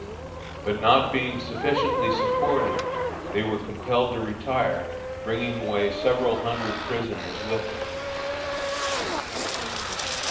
But not being sufficiently supported, they were compelled to retire, bringing away several hundred prisoners with them.